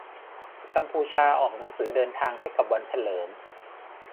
กัมพูชาออกหนังสือเดินทางให้กับวันเฉลิม